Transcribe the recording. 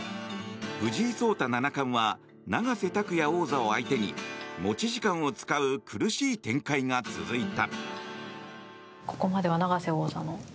藤井七冠は永瀬拓矢王座を相手に持ち時間を使う苦しい展開が続いた。